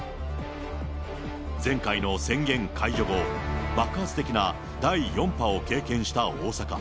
前回の宣言解除後、爆発的な第４波を経験した大阪。